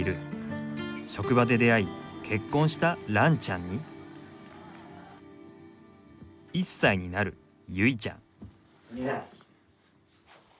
職場で出会い結婚した蘭ちゃんに１歳になる結ちゃん。